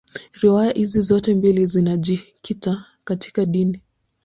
Riwaya hizi zote mbili zinajikita katika dini.